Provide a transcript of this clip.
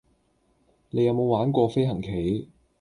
你有無玩過飛行棋